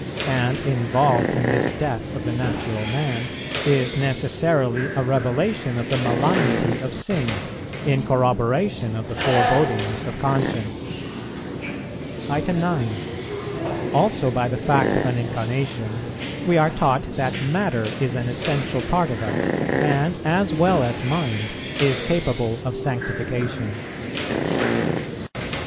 And, involved in this death of the natural man, is necessarily a revelation of the malignity of sin, in corroboration of the forebodings of conscience. 9. Also by the fact of an Incarnation we are taught that matter is an essential part of us, and, as well as mind, is capable of sanctification.